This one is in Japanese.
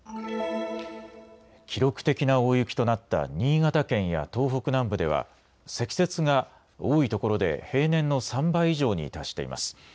記録的な大雪となった新潟県や東北南部では積雪が多い所で平年の３倍以上に達しています。